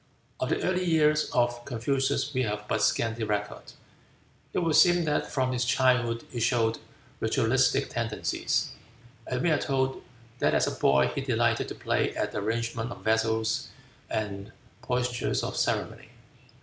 Of the early years of Confucius we have but scanty record. It would seem that from his childhood he showed ritualistic tendencies, and we are told that as a boy he delighted to play at the arrangement of vessels and postures of ceremony.